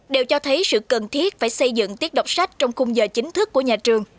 đều cho thấy sự cần thiết phải xây dựng tiết đọc sách trong khung giờ chính thức của nhà trường